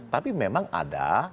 tapi memang ada